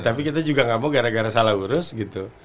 tapi kita juga gak mau gara gara salah urus gitu